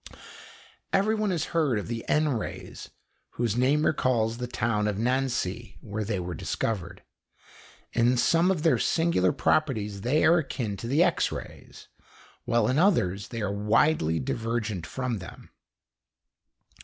Everyone has heard of the N rays, whose name recalls the town of Nancy, where they were discovered. In some of their singular properties they are akin to the X rays, while in others they are widely divergent from them.